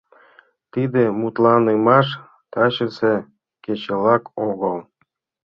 Тиде мутланымаш тачысе кечылык огыл.